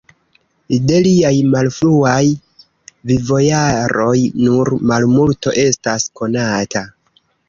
De liaj malfruaj vivojaroj nur malmulto estas konata.